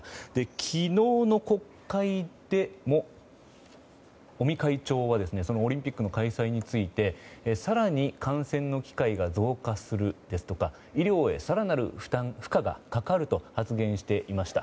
昨日の国会でも尾身会長はオリンピックの開催について更に感染の機会が増加するですとか医療へ更なる負荷がかかると発言していました。